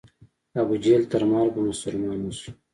ابوجهل تر مرګه مسلمان نه شو.